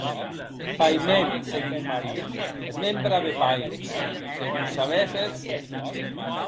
Pair mèn, seguic Mario, eth mèn brave pair, se vo’n sabéssetz!